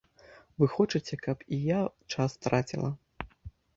Вы хочаце, каб і я час траціла?